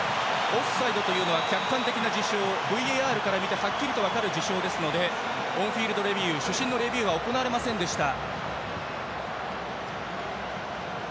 オフサイドというのは客観的な事象ＶＡＲから見てはっきり分かる事象ですのでオンフィールドレビュー主審のレビューは行われませんでした。